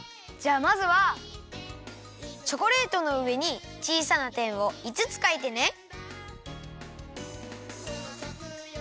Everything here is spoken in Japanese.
じゃあまずはチョコレートのうえにちいさなてんをいつつかいてね。